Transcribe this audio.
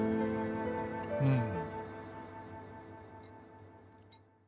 うん。